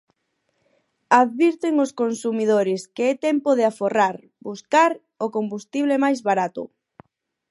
Advirten aos consumidores que é tempo de aforrar, buscar o combustible máis barato.